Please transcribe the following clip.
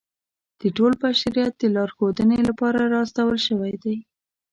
د ټول بشریت د لارښودنې لپاره را استول شوی دی.